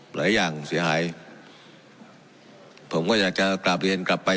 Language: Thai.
หลายอย่างเสียหายผมก็อยากจะกลับเรียนกลับไป